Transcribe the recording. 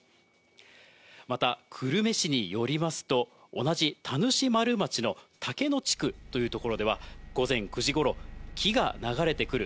また久留米市によりますと、同じ田主丸町の竹野地区という所では、午前９時ごろ、木が流れてくる。